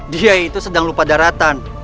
dia itu sedang lupa daratan